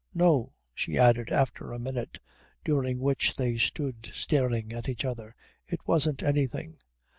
"No," she added after a minute, during which they stood staring at each other, "it wasn't anything."